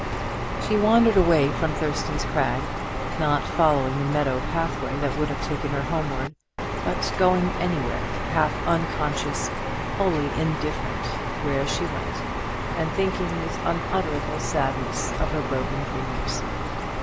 She wandered away from Thurston's Crag, not following the meadow pathway that would have taken her homeward; but going anywhere, half unconscious, wholly indifferent where she went; and thinking with unutterable sadness of her broken dreams.